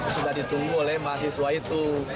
sudah ditunggu oleh mahasiswa itu